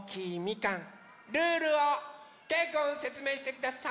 ルールをけいくんせつめいしてください。